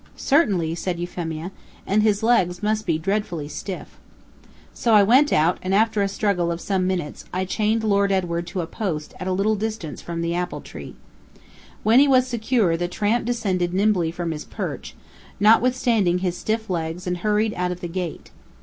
"Certainly," said Euphemia; "and his legs must be dreadfully stiff." So I went out, and after a struggle of some minutes, I chained Lord Edward to a post at a little distance from the apple tree. When he was secure, the tramp descended nimbly from his perch, notwithstanding his stiff legs, and hurried out of the gate.